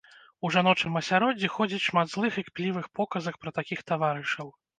У жаночым асяроддзі ходзіць шмат злых і кплівых показак пра такіх таварышаў.